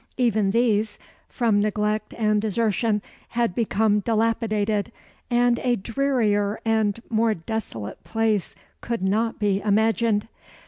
Even these, from neglect and desertion, had become dilapidated, and a drearier and more desolate place could not be imagined.